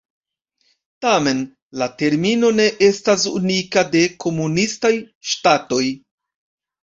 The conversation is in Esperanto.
Tamen, la termino ne estas unika de komunistaj ŝtatoj.